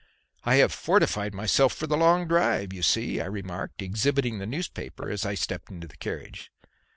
"I have fortified myself for the long drive, you see," I remarked, exhibiting the newspaper as I stepped into the carriage.